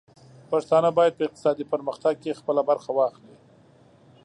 پښتانه بايد په اقتصادي پرمختګ کې خپله برخه واخلي.